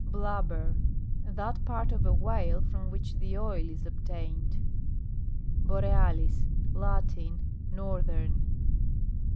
BLUBBER. That part of a whale from which the oil is obtained. BOREALIS. Latin. Northern.